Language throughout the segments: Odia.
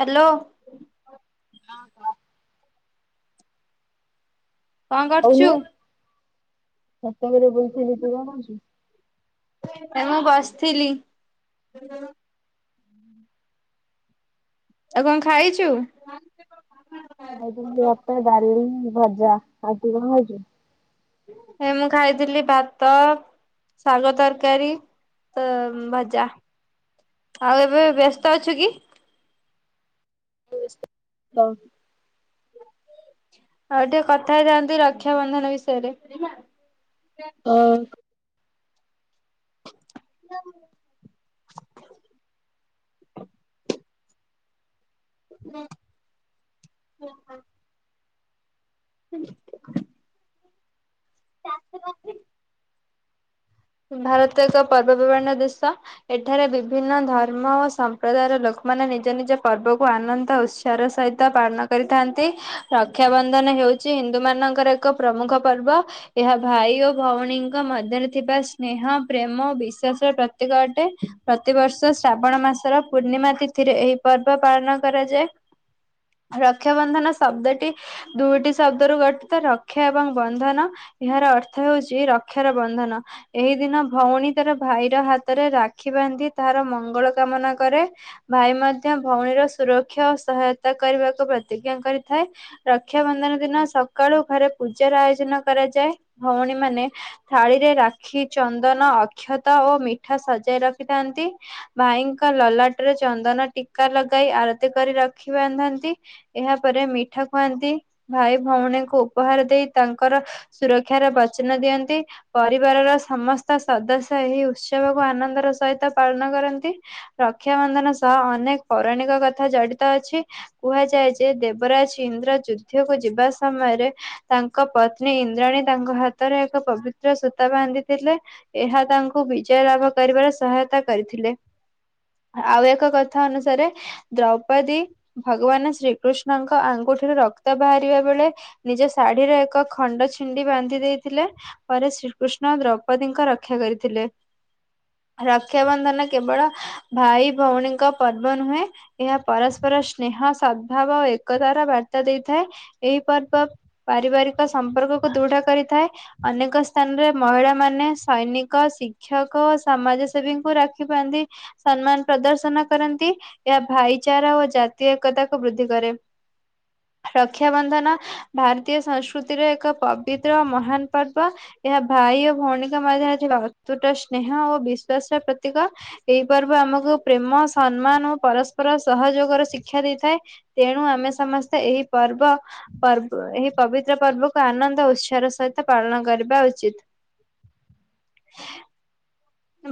ହାଲୋ। ହଁ କହ। କଣ କରୁଛୁ? ମସ୍ତଙ୍ଗରେ ବୁଲଥିଲି ତୁ କଣଛୁ। ଏମ ବସିଥିଲି। ଆଉ କଣ ଖାଇଛୁ। ନାଇ ତମତି ଭାତ ଡାଲି ଭଜା ଆଉ ତୁ କଣ ଖାଇଛୁ। ଏ ମୁଁ ଖାଇଥିଲି ଭାତ। ଶାଗ ତରକାରୀ ତ ଭଜା। ଆଉ ଏବେ ବ୍ୟସ୍ତ ଅଛୁ କି। [unintelligible] [unintelligible] ଆଉ ଟିକେ କଥା ହେଇଥାନ୍ତି ରକ୍ଷାବନ୍ଧନ ବିଷୟରେ ସରିଲା ହଁ [inaudible] ହଁ ହଁ ହ। [unintelligible] ରାକ୍ଷୀ ବାନ୍ଧିବି ଭାରତ ଏକ ପର୍ବପର୍ବାଣ ଦେଶ ଏଠାରେ ବିଭିନ୍ନ ଧର୍ମ ଓ ସମ୍ପ୍ରଦାୟର ଲୋକ ଲୋକ ମାନ ନିଜ ନିଜ ପର୍ବକୁ ଆନନ୍ଦ ଉତ୍ସାହର ସହିତ ପାଳନ କରିଥାନ୍ତି ରକ୍ଷାବନ୍ଧନ ହେଉଚି। ହଉଛି ହିନ୍ଦୁ ମାନଙ୍କର ଏକ ପ୍ରମୁଖ ପର୍ବ ଏହା ଭାଇ ଓ ଭଉଣୀଙ୍କ ମଧ୍ୟରେ ଥିବା ସ୍ନେହ ପ୍ରେମ ଓ ବିଶ୍ୱାସ ର ପ୍ରତୀକ ଅଟେ ପ୍ରତିବର୍ଷ ଶ୍ରାବଣ ମାସର ପୂର୍ଣ୍ଣିମା ତିଥି। ଏଥିରେ ଏହି ପର୍ବ ପାଳନ କରାଯାଏ। ରକ୍ଷାବନ୍ଧନ ଶବ୍ଦଟି ଦୁଇଟି ଶବ୍ଦରୁ ଗଠିତ ରକ୍ଷା ଏବଂ ବନ୍ଧନ। ଏହାର ଅର୍ଥ ହଉଛି ରକ୍ଷାର ବନ୍ଧନ। ଏହି ଦିନ ଭଉଣୀ ତାର ଭାଇର ହାତରେ ରାକ୍ଷୀ ବାନ୍ଧି ତାର ମଙ୍ଗଳ କାମନା କରେ। ଭାଇ ମଧ୍ୟ ଭଉଣୀର ସୁରକ୍ଷା ଓ ସହାୟତା କରିବାକୁ ପ୍ରତିଜ୍ଞା କରିଥାଏ ରକ୍ଷାବନ୍ଧନ ଦିନ ସକାଳୁ ଘରେ ପୂଜାର ଆୟୋଜନ କରାଯାଏ ଭଉଣୀ ମାନେ ଥାଳିରେ ରାଖ୍ କ୍ଷୀ ଚନ୍ଦନ ଅକ୍ଷତ ଓ ମିଠା ସଜାଇ ରଖିଥାନ୍ତି ଭାଇଙ୍କ ଲଲାଟରେ। ଚନ୍ଦନ ଟୀକା ଲଗାଇ ଆଳତି କରି ରାକ୍ଷୀ ବାନ୍ଧନ୍ତି ଏହାପରେ ମିଠା ଖୁଆନ୍ତି। ଭାଇ ଭଉଣୀଙ୍କୁ ଉପହାର ଦେଇ ତାଙ୍କର ସୁରକ୍ଷାର ବଚନ ଦିଅନ୍ତି ପରେ। ପରିବାରର ସମସ୍ତ ସଦସ୍ୟ ଏହି ଉତ୍ସବକୁ ଆନନ୍ଦର ସହିତ ପାଳନ କରନ୍ତି ରକ୍ଷା ବନ୍ଧନ ସହ ଅନେକ ପୌରାଣିକ କଥା ଜଡିତ ଅଛି କୁହାଯାଏ ଯେ ଦେବରାଜ ଇନ୍ଦ୍ର ଯୁଦ୍ଧ ଯୁଧ୍ୟକୁ ଯିବା ସମୟରେ ତାଙ୍କ ପତ୍ନୀ ଇନ୍ଦ୍ରାଣୀ ତାଙ୍କ ହାତରେ ଏକ ପବିତ୍ର ସୁ ସୁତା ବାନ୍ଧି ଥିଲେ ଏହା ତାଙ୍କୁ ବିଜୟ ଲାଭ କରିବାର ସହାୟତା କରିଥିଲେ। ଆଉ ଏକ କଥା ଅନୁସାରେ ଦ୍ରୌପଦୀ ଭଗବାନ ଶ୍ରୀକୃଷ୍ଣଙ୍କ ଆଙ୍ଗୁ କୋଉଠାରୁ ରକ୍ତ ବାହାରିବା ବେଳେ ନିଜ ଶାଢୀର ଏକ ଖଣ୍ଡ ଛିଣ୍ଡି ବାନ୍ଧି ଦେଇଥିଲେ, ପରେ ଶ୍ରୀ କୃଷ୍ଣ ଦ୍ରୌପଦୀଙ୍କର ରକ୍ଷା କରିଥିଲେ। ରକ୍ଷାବନ୍ଧନ କେବଳ ଭାଇ ଭଉଣୀଙ୍କ ପର୍ବ ନୁହେଁ ଏହା ପରସ୍ପର ସ୍ନେହ ସଦ୍ଭାବ ଓ ଏକତାର ବାର୍ତ୍ତା ଦେଇଥାଏ, ଏହି ପର୍ବ ପାରିବାରିକ ସମ୍ପର୍କକୁ ଦୃଢ କରିଥାଏ ଅନେକ ସ୍ଥାନରେ ମହିଳା ମାନେ ସୈନିକ ଶିକ୍ଷକ ଓ ସମାଜ ସେେବୀଙ୍କୁ ରାଖିପନ୍ତି ସମ୍ମାନ ପ୍ରଦର୍ଶନ କରନ୍ତି ଏହା ଭାଇଚାରା ଓ ଜାତୀୟ ଏକତାକୁ ବୃଦ୍ଧି କରେ। ରକ୍ଷାାବନ୍ଧନ ଭାରତୀୟ ସଂସ୍କୃତିର ଏକ ପବିତ୍ର ମହାନ ପର୍ବ ଏହା ଭାଇ ଓ ଭଉଣୀଙ୍କ ମଧ୍ୟରେ ଥିବା ଅତୁଟ ସ୍ନେହ ଓ ବିଶ୍ଵାସର ପ୍ରତୀକ ଏଇ ପର୍ବ ଆମକୁ ପ୍ରେମ ସମ୍ମାନ ଓ ପରସ୍ପର ସହଯୋଗର ଶିକ୍ଷା ଦେଇଥାଏ, ତେଣୁ ଆମେ ସମସ୍ତେ ଏହି ପର୍ବ ପର୍ବ ଏହି ପବିତ୍ର ପର୍ବକୁ ଆନନ୍ଦ ଉତ୍ସାହର ସହିତ ପାଳନ କରିବା ଉ ଚିତ।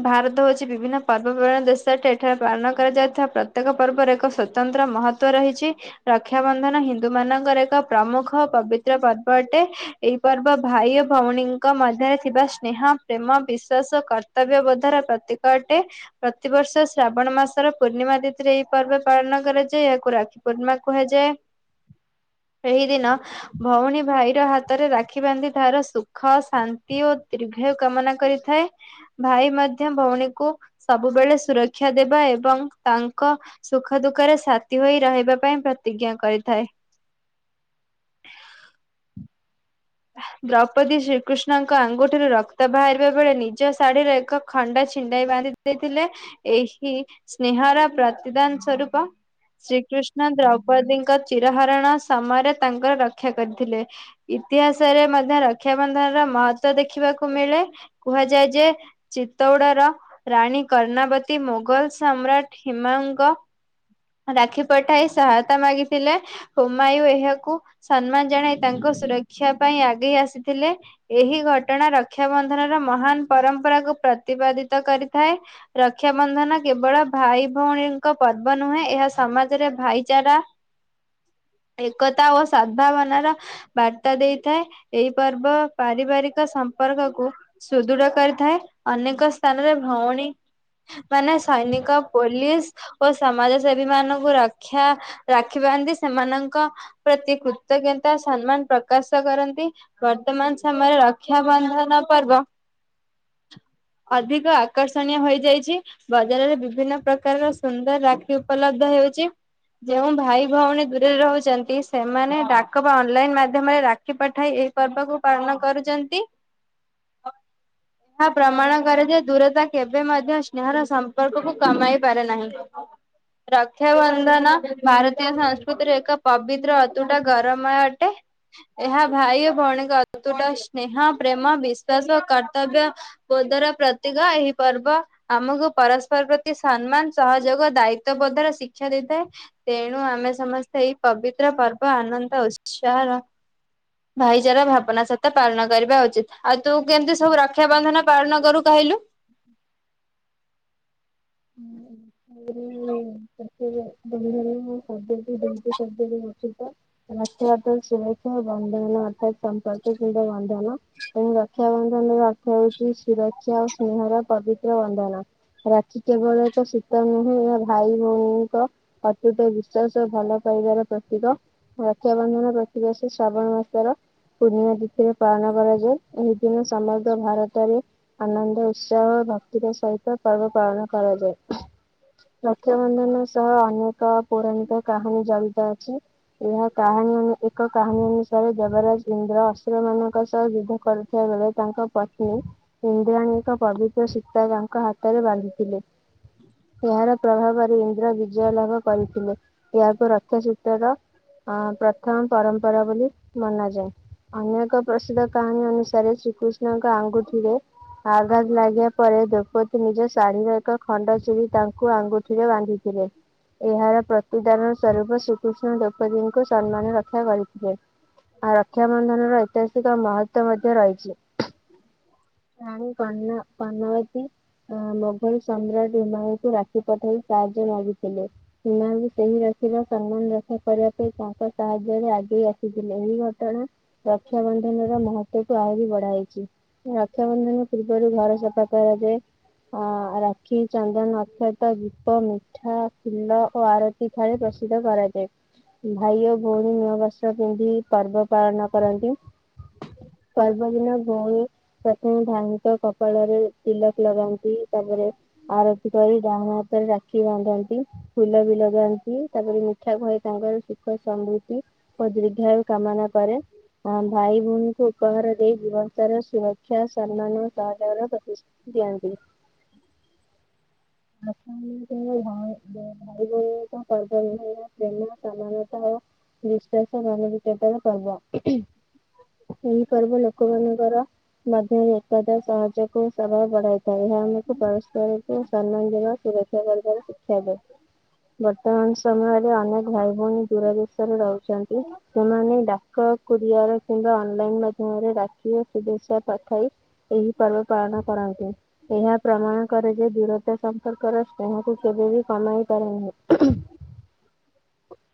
ଭାରତ ହଉଛି ବିଭିନ୍ନ ପର୍ବପର୍ବାଣ ଦେଶ ଏଠାରେ ପାଳନ କରାଯାଇଥିବା, ପ୍ରତ୍ୟେକ ପର୍ବର ଏକ ସ୍ଵତନ୍ତ୍ର ମହତଵ ରହିଛି ରକ୍ଷାବନ୍ଧନ ହିନ୍ଦୁ ମାନଙ୍କର ଏକ ପ୍ରମୁଖ ପବିତ୍ର ପର୍ବ ଅଟେ ଏଇ ପର୍ବ ଭାଇ ଓ ଭଉଣୀଙ୍କ ମଧ୍ୟରେ ଥିବା ସ୍ନେହ ପ୍ରେମ ବିଶ୍ଵସ କର କର୍ତ୍ତବ୍ୟବୋଧର ପ୍ରତୀକ ଅଟେ, ପ୍ରତିବର୍ଷ ଶ୍ରାବଣ ମାସର ପୂର୍ଣ୍ଣିମା ତିଥିରେ, ଏହିଇ ପର୍ବ ପାଳନ ନଗର ଯ ଏହାକୁ ରାକ୍ଷୀ ପୂର୍ଣ୍ଣିମା କୁହାଯାଏ। ଏହି ଦିନ ଭଉଣୀ ଭାଇର ହାତରେ ରାକ୍ଷୀ ବାନ୍ଧି ତାର ସୁଖ ଶାନ୍ତି ଓ କାମନା କରିଥାଏ। ଭାଇ ମଧ୍ୟ ଭଉଣୀକୁ ସବୁବେଳେ ସୁରକ୍ଷା ଦେବା ଏବଂ ତାଙ୍କ ସୁଖ ଦୁଃଖ ଙ୍କର ସାଥି ହୋଇ ରହିବା ପାଇଁ ପ୍ରତିଜ୍ଞା କରିଥାଏ ଦ୍ରୌପଦୀ ଶ୍ରୀକୃଷ୍ଣଙ୍କ ଆଙ୍ଗୁଠିରୁ ରକ୍ତ ବାହାରିବା, ବେଳେ ନିଜ ଶାଢୀର ଏକ ଖଣ୍ଡା ଛିଣ୍ଡାଇ ବାନ୍ଧି ଦେଇଥିଲେ ଏହି ସ୍ନେହର ପ୍ରତିଦାନ ସଵରୂପ ଶ୍ରୀକୃଷ୍ଣ ଦ୍ରୌପଦୀଙ୍କ ଚିରହରଣ ସମୟରେ ତାଙ୍କର ରକ୍ଷା କରିଥିଲେ ଇତିହାସରେ ମଧ୍ୟ ରକ୍ଷାବନ୍ଧନ ର ମହତଵ ଦେଖିବାକୁ ମିଳେ କୁହାଯାଏ, ଯେ ଚ [unintelligible] ରାଣୀ କର୍ଣ୍ଣାବତୀ ମୋଗଲ ସମ୍ରାଟ ହିମାଙ୍ଗ ରାକ୍ଷୀ ପଠାଇ ସହାୟତା ମାଗିଥିଲେ ହୁମାୟୁ, ଏହାକୁ ସମ୍ମାନ ଜଣାଇ ତାଙ୍କ ସୁରକ୍ଷା ପାଇଁ ଆଗେଇ ଆସିଥିଲେ, ଏହି ଘଟଣା ରକ୍ଷାବନ୍ଧନର ମହାନ ପରମ୍ପରାକୁ ପ୍ରତିପାଦିତ କରିଥାଏ, ରକ୍ଷାବନ୍ଧନ କେବଳ ଭାଇ ଭଉଣୀଙ୍କ ପର୍ବ ନୁହେଁ ଏହା ସମାଜରେ ଭାଇଚାରା ଏକତା ଓ ସଦ୍ଭାବନାର ବାର୍ତ୍ତା ଦେଇଥାଏ, ଏହିଇ ପର୍ବ ପାରିବାରିକ ସମ୍ପର୍କକୁ ସୁଦୃଢ କରିଥାଏ ଅନେକ ସ୍ଥାନରେ ଭଉଣୀ ମାନେ ସୈନିକ ପୋଲିସ ଓ ସମାଜ ସେବୀ ମାନଙ୍କୁ ରକ୍ଷା ରଖିପନ୍ତି, ସେମାନଙ୍କ ପ୍ରତି କୃତଜ୍ଞତା ସମ୍ମାନ ପ୍ରକାଶ କରନ୍ତି ବର୍ତ୍ତମାନ ସମୟରେ ରକ୍ଷାବନ୍ଧନ ପର୍ବ ଅଧିକ ଆକର୍ଷଣୀୟ ହୋଇଯାଇଛି ବଜାରରେ ବିଭିନ୍ନ ପ୍ରକାରର ସୁନ୍ଦ ରାକ୍ଷୀ ଉପଲବ୍ଧ ହେଉଛି ଯେଉଁ ଭାଇ ଭଉଣୀ ଦୂରରେ ରହୁଛନ୍ତି, ସେମାନେ ଡାକ ବା ଅନଲାଇନ ମାଧ୍ୟମରେ ରାକ୍ଷୀ ପଠାଇ ସେଇ ପର୍ବକୁ ପାଳନ କରୁଛନ୍ତି। ଏହା ପ୍ରମାଣ କରେ ଯେ ଦୂରତା କେବେ ମଧ୍ୟ ସ୍ନେହର ସମ୍ପର୍କକୁ କମାଇ ପାରେ ନାହିଁ [inaudible] ରକ୍ଷାବନ୍ଧନ ଭାରତୀୟ ସଂସ୍କୃତିର ଏକ ପବିତ୍ର ଅତୁଟା ଗରମୟ ଅଟେ ଏହା ଭାଇ ଓ ଭଉଣୀଙ୍କ ଅତୁଟ ସ୍ନେହ ପ୍ରେମ ବିଶ୍ଵାସ କର୍ତ୍ତବ୍ୟ ବଧର ପ୍ରତୀକ ଏହି ପର୍ବ ଆମକୁ ପରସ୍ପର ପ୍ରତି ସମ୍ମାନ ସହଜ ଯୋଗ ଦାୟିତ୍ୱବୋଧର ଶିକ୍ଷା ଦେଇଥାଏ, ତେଣୁ ଆମେ ସମସ୍ତେ ଏଇ ପବିତ୍ର ପର୍ବ ଆନନ୍ଦ ବସାର ଭାଇଚାରା ଭାବନା ସହିତ ପାଳନ କରିବା ଉଚିତ ଆଉ ତୁ କେମିତି ସବୁ ରକ୍ଷାବନ୍ଧନ ପାଳନ କରୁ କହିଲୁ? ହଁ। ସଦ ଦିନତି ସଦ ମାଛିତା ରକ୍ଷାତ ସୁରକ୍ଷା ବନ୍ଧନ ଅର୍ଥାତ ସମ୍ପର୍କଶୀ ବନ୍ଧନ ଏବଂ ରକ୍ଷାବନ୍ଧନ ଅର୍ଥ ହଉଛି ସୁରକ୍ଷା ଓ ସ୍ନେହର ପବିତ୍ର ବନ୍ଧନ। କି କେବଳ ଏକ ସୂତା ନୁହେଁ, ଏହା ଭାଇ ଭଉଣୀଙ୍କ ଅତ୍ୟୁଟ ବିଶ୍ଵାସ ଭଲ ପାଇବାର ପ୍ରତୀକ, ରକ୍ଷାବନ୍ଧନ ପ୍ରତୀ ବର୍ଷ ଶ୍ରାବଣ ମାସର ପୂର୍ଣ୍ଣିମା ତିଥିରେ ପାଳନ କରାଯାଏ। ଏହି ଦିନ ସମଗ୍ର ଭାରତରେ ଆନନ୍ଦ ଉତ୍ସାହ ଭକ୍ତିର ସହିତ ପର୍ବ ପାଳନ କରାଯାଏ। ରକ୍ଷାବନ୍ଧନ ସହ ଅନେକ ପୌରାଣିକ, କାହାଣୀ ଜଡିତ ଅଛି। ଏହା କାହାଣୀ ନୁ-ଏ ଏକ କାହାଣୀ ଅନୁସାରେ, ଦେବରାଜ ଇନ୍ଦ୍ର ଅସୁର ମାନଙ୍କ ସହ ଯୁଦ୍ଧ କରୁଥିବା ବେଳେ, ତାଙ୍କ ପତ୍ନୀ ଇନ୍ଦ୍ରାଣୀ ଏକ ପବିତ୍ର ସୁତା ତାଙ୍କ ହାତରେ ବାନ୍ଧିଥିଲେ। ଏହାର ପ୍ରଭାବରେ ଇନ୍ଦ୍ର ବିଜୟ ଲାଭ କରିଥିଲେ। ଏହାକୁ ରକ୍ଷାସୂତ୍ରର ହଁ, ପ୍ରଥମ ପରମ୍ପରା ବୋଲି ମନାଯାଏ। ଅନ୍ୟ ଏକ ପ୍ରସିଦ୍ଧ କାହାଣୀ ଅନୁସାରେ ଶ୍ରୀକୃଷ୍ଣଙ୍କ ଆଙ୍ଗୁଠିରେ ଆଘାତ ଲାଗିବା ପରେ, ଦ୍ରୌପଦୀ ନିଜ ଭୂ ଏକ ଖଣ୍ଡ ଚିରି ତାଙ୍କୁ ଆଙ୍ଗୁଠିରେ ବାନ୍ଧିଥିଲେ। ଏହାର ପ୍ରତିଦାନ ସ୍ୱରୂପ ଶ୍ରୀକୃଷ୍ଣ ଦ୍ରୌପଦୀଙ୍କୁ ସମ୍ମାନ ରକ୍ଷା କରିଥିଲେ। ଆ ରକ୍ଷାବନ୍ଧନର ଐତିହାସିକ ମହତ୍ୱ ମଧ୍ୟ ରହିଛି। ନାଇ କଣ? ପଦ୍ମାବତୀ ଅ ମୋଗଲ ସମ୍ରାଟ ହିମାଳୟ କୁ, ରାକ୍ଷୀ ପଠେଇ ସାହାଯ୍ୟ ମାଗିଥିଲେ। ସେମାନେ ସେହି ରାକ୍ଷୀର ସମ୍ମାନ ରକ୍ଷା କରିବା ପାଇଁ, ତାଙ୍କ ସାହାଯ୍ୟରେ ଆଗେଇ ଆସି ଥିଲେ। ଏହି ଘଟଣା ରକ୍ଷାବନ୍ଧନର ମହ ତାକୁ ଆହୁରି ବଢାଇଛି। ରକ୍ଷାବନ୍ଧନ ପୂର୍ବରୁ ଘର ସଫା କରାଯାଏ। ଅ- ରାକ୍ଷୀ, ଚନ୍ଦନ, ଅକ୍ଷତ, ଦୀପ, ମିଠା, ଫୁଲ ଓ ଆରତି ପିଠାରେ ପ୍ରସ୍ତୁତ କରାଯାଏ। ଭାଇ ଓ ଭଉଣୀ ନୂଆ ବସ୍ତ୍ର ପିନ୍ଧି ପର୍ବ ପାଳନ କରନ୍ତି। ପର ସେ ଦିନ ଭଉଣୀ ପ୍ରଥମେ ଭାଇଙ୍କ କପାଳରେ, ତିିଲକ ଲଗା ଟି, ତାପରେ ଆରତି କରି ଡାହାଣ ହାତରେ ରାକ୍ଷୀ ବାନ୍ଧନ୍ତି। ଫୁଲ ବି ଲଗାନ୍ତି। ତା ପରେ ମିଠା ଖୁଆଇ ତାଙ୍କର ସୁଖ ସମୃଦ୍ଧି ଓ ଦୀର୍ଘାୟୁ କାମନା କରେ। ଆ ଭାଇ ଭଉଣୀଙ୍କୁ ଉପହାର ଦେଇ ଜୀବନ ସାରା ସୁରକ୍ଷା, ସମ୍ମାନ ସହଯୋଗ ପ୍ରତିଷ୍ଠ। ଦିଅନ୍ତି। ଏହି ଭଲି ଏକ ପର୍ବ ବିହୟ, ପ୍ରେମ ସମାନତା ଓ ବିଶ୍ୱାସ ମାନ ବିକତାର ପର୍ବ। ଉଁ ଖୁଁ ଏହି ପର୍ବ ଲୋକମାନଙ୍କର, ମଧ୍ୟରେ ଏକତା ସହଜକୁ ପ୍ରଭାବ ବଢାଇଥାଏ। ଏହା ଆମକୁ ପରସ୍ପରକୁ ସମ୍ମାନ ଦେବା, ସୁରକ୍ଷା କରିବାରେ ଶିକ୍ଷା ଦିଏ। ବର୍ତ୍ତମାନ ସମୟରେ, ଅନେକ ଭାଇ ଭଉଣୀ ଦୂର ଦେଶରେ ରହୁଚନ୍ତି। ସେମାନେ ଡାକ ରେ କୋରିଅର୍ କିମ୍ବା ଅନଲାଇନ୍ ମାଧ୍ୟମରେ ରଖିବେ, ସେ ଜିନଷ ପଠାଇ ଏହି ପର୍ବ ପାଳନ କରନ୍ତି। ଏହା ପ୍ରମାଣ କରେ ଯେ ଦୂରତା ସମ୍ପର୍କର ସ୍ନେହକୁ କେବେବି କମାଇ ପାରେ ନାହିଁ। ଉଁଖୁଁ [unintelligible]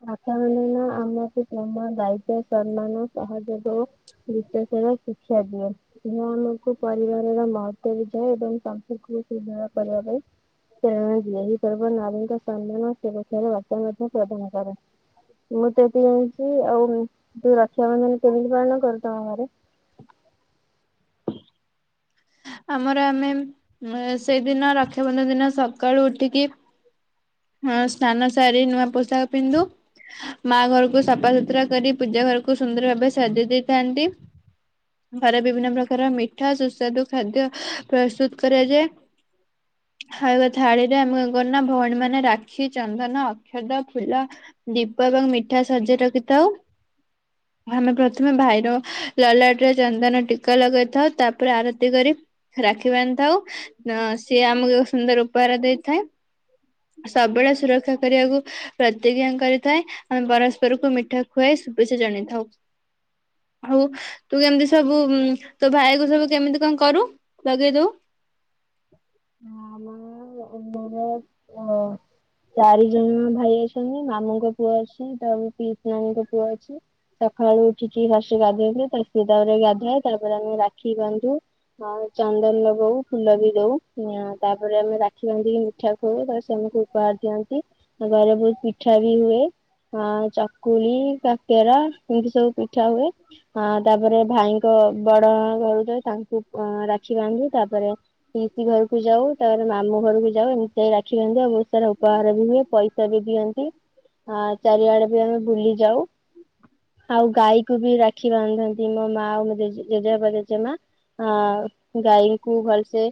ସାକାରେଣେନ ଆମକୁ ପ୍ରେମ, ଦାୟିତ୍ବ, ସମ୍ମାନ ସହଯୋଗ ଓ ବିଶ୍ୱାସର ଶିକ୍ଷା ଦିଏ। ଏହା ଆମକୁ ପରିବାରର ମହ ତ ବୁଝାଏ। ଏବଂ ତାଙ୍କୁ ସୁ-ଦୃଢ଼ କରିବା ପାଇଁ, ପ୍ରେରଣା ଦିଏ ଏହି ପର୍ବ ନାରୀଙ୍କ ସମ୍ମାନ ସୁରକ୍ଷାର ବାର୍ତ୍ତା ମଧ୍ୟ ପ୍ରଧାନ କରେ। ଏତିକି ଜାଣି ଛି। ଆଉ ଦି ରକ୍ଷା ବନ୍ଧନ କେମିତି ପାଳନ କର ତମ ଘରେ? ହ [inaudible] ଆମର ଆମେ ଉ- ସେଇଦିନ ରକ୍ଷାବନ୍ଧନ ଦିନ ସକାଳୁ ଉଠିକି ହଁ, ସ୍ନାନ ସାରି ନୂଆ ପୋଷାକ ପିନ୍ଧୁ। ମା ଘରକୁ ସଫାସୁତୁରା କରି, ପୂଜା ଘରକୁ ସୁନ୍ଦର ଭାବେ ସଜେଇ ଦେଇଥାନ୍ତି। ଘରେ ବିଭିନ୍ନ ପ୍ରକାର ମିଠା ସୁସ୍ୱାଦୁ ଖାଦ୍ୟ ପ୍ରସ୍ତୁତ କରାଯାଏ। ଖାଇବା ଥାଳିଟା ମୁଁ ଇଏ କରୁନା ଭଉଣୀ ମାନେ ମାନେ ରାକ୍ଷୀ, ଚନ୍ଦନ, ଅକ୍ଷତ, ଫୁଲ, ଦୀପ ଏବଂ ମିଠା ସଜେଇ ରଖିଥାଉ। ଆମେ ପ୍ରଥମେ ଭାଇର ଲଲାଟରେ ଚନ୍ଦନ ଟିକା ଲଗେଇଥାଉ ତାପରେ ଆରତି କରି ରାକ୍ଷୀ ବାନ୍ଧିଥାଉ, ସିଏ ଆମକୁ ଏକ ସୁନ୍ଦର ଉପହାର ଦେଇଥାଏ। ସବୁବେଳେ ସୁରକ୍ଷା କରିବାକୁ ପ୍ରତିଜ୍ଞା କରିଥାଏ, ଆମେ ପରସ୍ପରକୁ ମିଠା ଖୁଆଇ ଶୁଭେଚ୍ଛା ଜଣେଇଥାଉ। ହଉ ତୁ କେମିତି ସବୁ ତୋ ଭାଇକୁ ସବୁ କେମିତି କଣ କରୁ, ଲଗେଇ ଦଉ? [inaudible] ହଁମ ମର [inaudible] [inaudible] ଚାରି ଜଣ ଭାଇ ଅଛନ୍ତି, ମାମୁଁଙ୍କ ପୁଅ ଅଛି ତା ପିଇସି ନାନୀଙ୍କ ପୁଅ ଅଛି। ସକାଳୁ ଉଠିକି ଫାଷ୍ଟ ଗାଧେଇଲି ତା ସ ତାପରେ ଗାଧାଏ ତାପରେ ଆମେ ରାକ୍ଷୀ ବାନ୍ଧୁ। ହଁ ଚନ୍ଦନ ଲଗଉ ଫୁଲ ବି ଦଉ। ହ ତାପରେ ଆମେ ରାଖି ବାନ୍ଧିକି ମିଠା ଖୋଉ ତାପରେ ସେ ମତେ ଉପହାର ଦିଅନ୍ତି, ଆ ଘରେ ବହୁତ ପିଠା ବି ହୁଏ ଆଁ ଚକୁଳି, କାକେରା ଏମିତି ସବୁ ପିଠା ହୁଏ ଆ ତାପରେ ଭାଇଙ୍କ ବଡ ଘରୁ ଯଏ ତାଙ୍କୁ ଅ ରାକ୍ଷୀ ବାନ୍ଧୁ। ତାପରେ ଦିଦି ଘରକୁ ଯାଉ, ତାପରେ ମାମୁଁ ଘରକୁ ଯାଉ ଏମିତି ସେଇ ରାଖି ବାନ୍ଧି ଆଉ ବହୁତ ସାରା ଉପହାର ବି ହୁଏ ପଇସା ବି ଦିଅନ୍ତି। ହଁ ଚାରିଆଡେ ବି ଆମେ ବୁଲି ଯାଉ। ଆଉ ଗାଈକୁ ବି ରାକ୍ଷୀ ବାନ୍ଧନ୍ତି ମୋ ମା ଆଉ ମତେ ଜେଜେବାପା ଜେଜେମା। ଆ ଗାଈଙ୍କୁ ଭଲସେ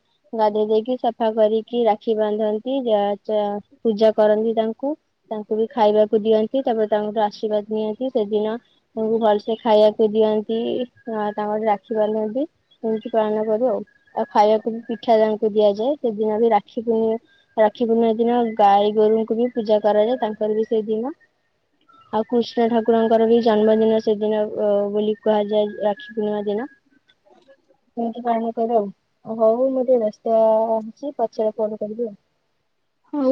ଗାଧୋଇ ଦେଇକି ସଫା କରିକି ରାକ୍ଷୀ ବାନ୍ଧନ୍ତି ଯ-ଯା-ପୂଜା କରନ୍ତି ତାଙ୍କୁ। ତାଙ୍କୁ ବି ଖାଇବାକୁ ଦିଅନ୍ତି ତାପରେ ତାଙ୍କଠୁ ଆଶୀର୍ବାଦ ନିଅନ୍ତି ସେଦିନ ତାଙ୍କୁ ଭଲସେ ଖାଇବାକୁ ଦିଅନ୍ତି ଆ ତାଙ୍କର ରାକ୍ଷୀ ବାନ୍ଧନ୍ତି ସେମତି ପାଳନ କରୁ ଆଉ ଆଉ ଖାଇବାକୁ ବି ପିଠା। ରକ୍ଷାଦାନଙ୍କୁ ଦିଆଯାଏ ସେଦିନ ବି ରାକ୍ଷୀ ପୂର୍ଣ ରାକ୍ଷୀ ପୂର୍ଣ୍ଣିମା ଦିନ ଗାଈ ଗୋରୁଙ୍କୁ ବି ପୂଜା କରାଯାଏ। ତାଙ୍କର ବି ସେଇ ଦିନ। ଆଉ କୃଷ୍ଣ ଠାକୁରଙ୍କର ବି ଜନ୍ମଦିନ ସେଦିନ ବୋଲି କୁହାଯାଏ ରାକ୍ଷୀ ପୂର୍ଣ୍ଣିମା ଦିନ, ଏମିତି ପାଳନ କରୁ ଆଉ। ହଉ ମୁଁ ଟିକେ ବେସ୍ତ ଅଛି ପଛରେେ ଫୋନ କରିବି ଆଉ। ହଉ।